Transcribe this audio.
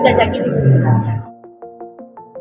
tapi tidak jangkiti keseluruhannya